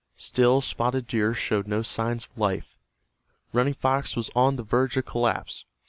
Still Spotted Deer showed no signs of life. Running Fox was on the verge of collapse.